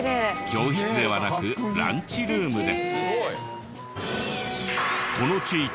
教室ではなくランチルームで。